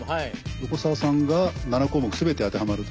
横澤さんが７項目全て当てはまるということで。